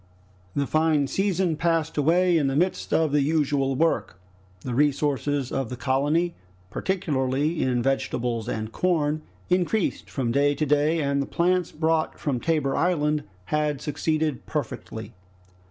The fine season passed away in the midst of the usual work. The resources of the colony, particularly in vegetables and corn, increased from day to day, and the plants brought from Tabor Island had succeeded perfectly.